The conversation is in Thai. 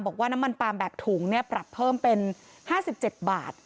บอกว่าน้ำมันปลามแบบถุงเนี้ยปรับเพิ่มเป็นห้าสิบเจ็ดบาท